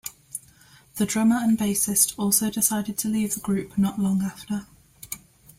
The drummer and bassist also decided to leave the group not long after.